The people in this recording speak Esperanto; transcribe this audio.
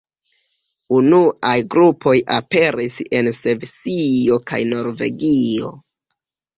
Unuaj grupoj aperis en Svisio kaj Norvegio.